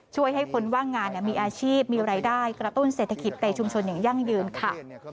ช่วยให้คนว่างงานมีอาชีพมีรายได้กระตุ้นเศรษฐกิจในชุมชนอย่างยั่งยืนค่ะ